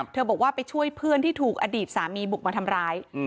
บอกว่าไปช่วยเพื่อนที่ถูกอดีตสามีบุกมาทำร้าย